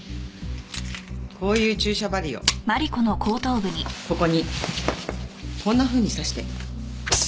こういう注射針をここにこんなふうに刺して。